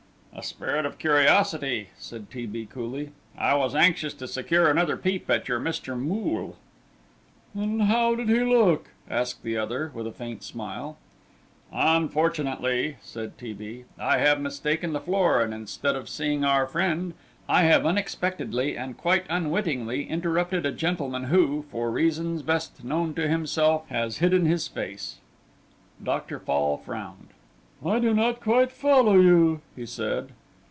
"A spirit of curiosity," said T. B., coolly. "I was anxious to secure another peep at your Mr. Moole." "And how did he look?" asked the other, with a faint smile. "Unfortunately," said T. B., "I have mistaken the floor, and instead of seeing our friend, I have unexpectedly and quite unwittingly interrupted a gentleman who, for reasons best known to himself, has hidden his face." Dr. Fall frowned. "I do not quite follow you," he said.